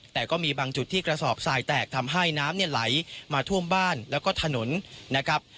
แต่ก็มีบางจุดที่กระสอบสายแตกทำให้น้ำเนี่ยไหลมาท่วมบ้านแล้วก็ถนนนะครับ